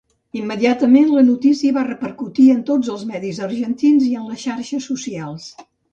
Immediatament, la notícia va repercutir en tots els medis argentins i en les xarxes socials.